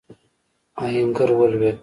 آهنګر ولوېد.